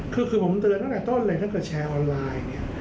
คือผมเตือนตั้งแต่ต้นเลยถ้าเกิดแชร์ออนไลน์เนี่ย